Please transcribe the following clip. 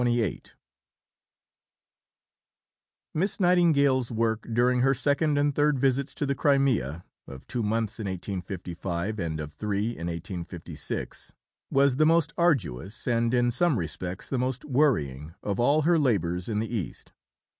Miss Nightingale's work during her second and third visits to the Crimea (of two months in 1855, and of three in 1856) was the most arduous, and in some respects the most worrying, of all her labours in the East.